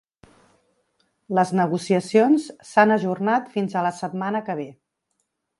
Les negociacions s’han ajornat fins a la setmana que ve.